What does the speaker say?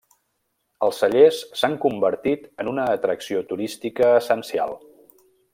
Els cellers s'han convertit en una atracció turística essencial.